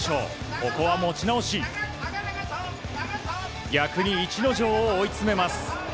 ここは持ち直し逆に逸ノ城を追い詰めます。